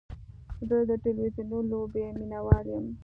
زه د تلویزیوني لوبې مینهوال یم.